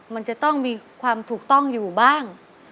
มันจะต้องมีความถูกต้องอยู่บ้าง